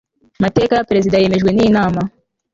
mateka ya perezida yemejwe n inama